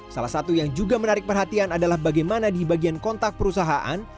salah satu yang juga menarik perhatian adalah bagaimana di bagian kontak perusahaan